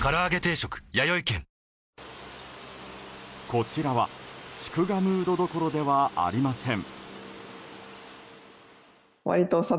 こちらは祝賀ムードどころではありません。